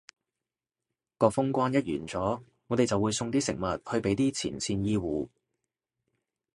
個封關一完咗，我哋就會送啲食物去畀啲前線醫護